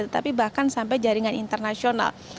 tapi bahkan sampai jaringan internasional